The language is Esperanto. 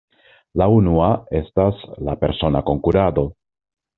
La unua estas la persona konkurado.